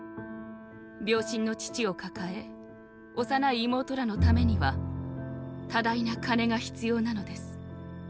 病身の父をかかえおさない妹等の為には多大な金が必要なのです。